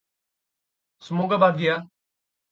Semoga bahagia!